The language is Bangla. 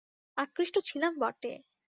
আকৃষ্ট ছিলাম বটে।